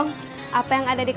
ya udah makan yuk